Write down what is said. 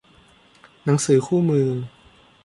หนังสือคู่มือ